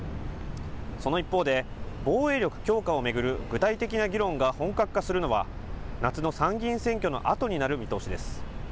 その一方で、防衛力強化を巡る具体的な議論が本格化するのは、夏の参議院選挙のあとになる見通しです。